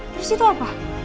terus itu apa